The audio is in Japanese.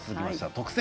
「特選！